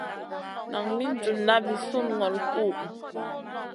Nan min junʼna vi sùnŋolo kuhʼu.